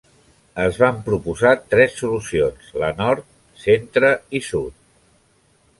Es van proposar tres solucions: la Nord, Centre i Sud.